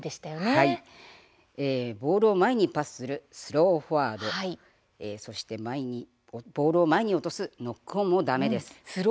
ボールを前にパスするスローフォワードそしてボールを前に落とすノックオンもだめです。